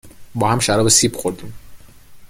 .با هم شراب سیب خوردیم